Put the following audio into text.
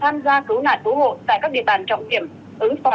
đảm bảo giao thông thông suốt trên các trục giao thông chính